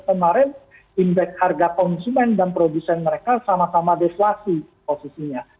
kemarin indeks harga konsumen dan produsen mereka sama sama deflasi posisinya